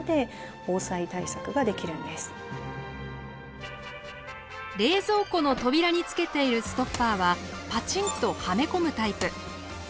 冷蔵庫の扉につけているストッパーはパチンとはめ込むタイプ。